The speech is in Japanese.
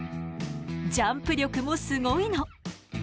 ジャンプ力もすごいの！